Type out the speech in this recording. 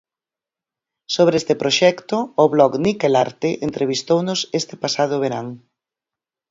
Sobre este proxecto, o blog Niquelarte entrevistounos este pasado verán.